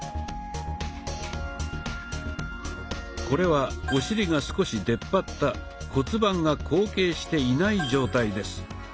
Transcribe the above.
これはお尻が少し出っ張った骨盤が後傾していない状態です。